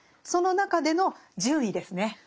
その中での順位ですね